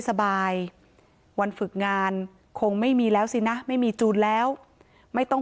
สบายวันฝึกงานคงไม่มีแล้วสินะไม่มีจูนแล้วไม่ต้อง